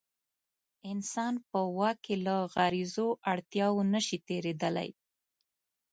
انسان په واک کې له غریزو اړتیاوو نه شي تېرېدلی.